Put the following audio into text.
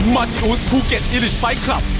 มันอูสภูเก็ตอิริตไฟล์คลับ